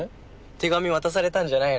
手紙渡されたんじゃないの？